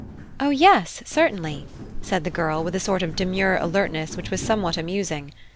"O yes, certainly," said the girl with a sort of demure alertness which was somewhat amusing.